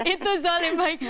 itu zolim baik